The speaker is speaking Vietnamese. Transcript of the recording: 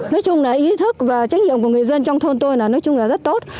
nói chung là ý thức và trách nhiệm của người dân trong thôn tôi là rất tốt